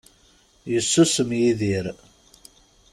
Yessusem Yidir.